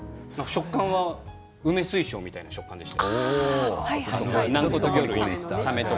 食感が梅水晶みたいな感じでした。